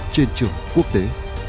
trên trường quốc tế